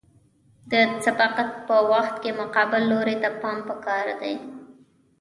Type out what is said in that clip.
د سبقت په وخت کې مقابل لوري ته پام پکار دی